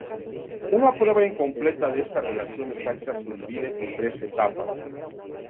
Una prueba incompleta de esta relación exacta se divide en tres etapas.